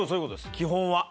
基本は。